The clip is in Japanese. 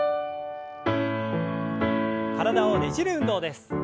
体をねじる運動です。